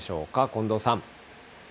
近藤さん。